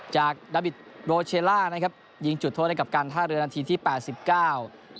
จากดาบิตโดเชลล่านะครับยิงจุดโทษให้กับการท่าเรือนาทีที่แปดสิบเก้า